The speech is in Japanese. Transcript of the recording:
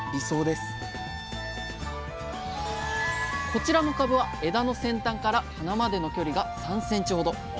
こちらの株は枝の先端から花までの距離が３ｃｍほど。